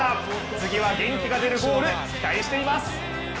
次は元気が出るゴール、期待しています。